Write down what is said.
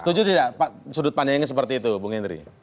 setuju tidak sudut pandangannya seperti itu bung hendri